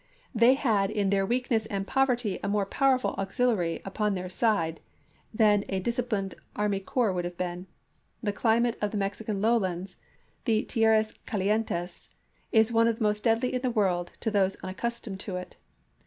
They had in their weakness and poverty a more powerful auxiliary upon their side than a dis ciplined army corps would have been. The climate of the Mexican lowlands — the tierras calientes — is one of the most deadly in the world to those un accustomed to it.